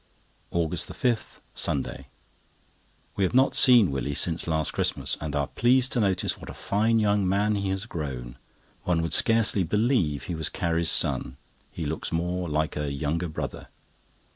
AUGUST 5, Sunday.—We have not seen Willie since last Christmas, and are pleased to notice what a fine young man he has grown. One would scarcely believe he was Carrie's son. He looks more like a younger brother.